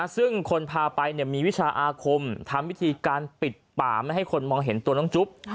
ซึ่งคนพาไปมีวิชาอาคมทำวิธีการปิดป่าไม่ให้คนมองเห็นตัวน้องจุ๊บ